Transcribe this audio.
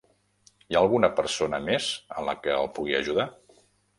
Hi ha alguna persona més amb la que el pugui ajudar?